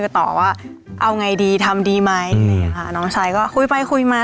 ต่อว่าเอาไงดีทำดีไหมอืมค่ะน้องชายก็คุยไปคุยมา